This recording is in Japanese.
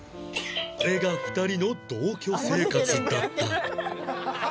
これが２人の同居生活だった